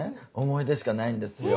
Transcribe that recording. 思い出しかないんですよ。